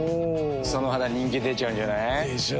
その肌人気出ちゃうんじゃない？でしょう。